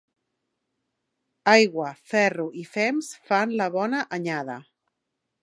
Aigua, ferro i fems fan la bona anyada.